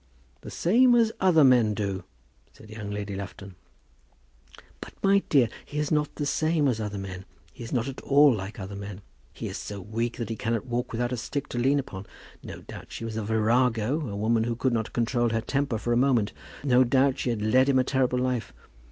"The same as other men do," said young Lady Lufton. "But, my dear, he is not the same as other men. He is not at all like other men. He is so weak that he cannot walk without a stick to lean upon. No doubt she was a virago, a woman who could not control her temper for a moment! No doubt she had led him a terrible life!